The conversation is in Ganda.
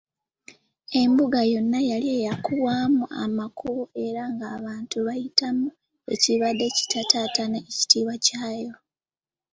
Embuga yonna yali yakubwamu amakubo era nga abantu bagayitamu, ekibadde kittattana ekitiibwa ky'ayo.